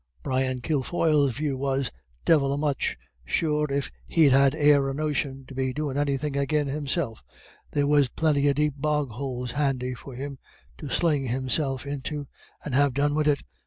Brian Kilfoyle's view was: "Divil a much! Sure if he'd had e'er a notion to be doin' anythin' agin himself, there was plinty of deep bog houles handy for him to sling himself into, and have done wid it."